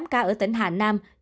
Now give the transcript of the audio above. sáu mươi tám ca ở tỉnh hà nam